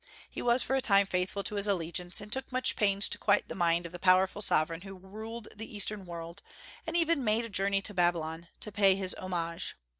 He was for a time faithful to his allegiance, and took much pains to quiet the mind of the powerful sovereign who ruled the Eastern world, and even made a journey to Babylon to pay his homage.